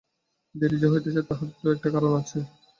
দেরি যে হইতেছে তাহার তো একটা কারণ আছে?